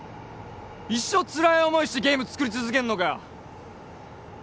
一生つらい思いしてゲーム作り続けんのかよ